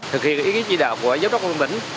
thực hiện ý ký trị đạo của giám đốc quân binh